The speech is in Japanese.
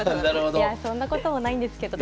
いやそんなこともないんですけど。